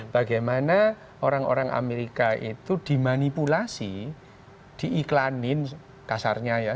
bagaimana orang orang amerika itu dimanipulasi diiklanin kasarnya ya